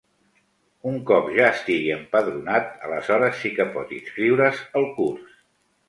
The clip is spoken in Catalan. Un cop ja estigui empadronat, aleshores sí que pot inscriure's al curs.